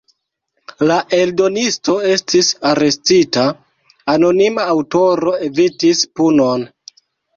La eldonisto estis arestita, anonima aŭtoro evitis punon.